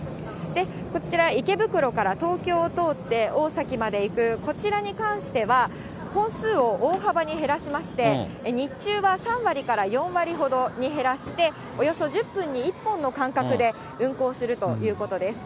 こちら、池袋から東京を通って大崎まで行くこちらに関しては、本数を大幅に減らしまして、日中は３割から４割ほどに減らして、およそ１０分に１本の間隔で運行するということです。